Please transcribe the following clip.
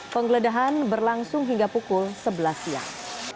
penggeledahan berlangsung hingga pukul sebelas siang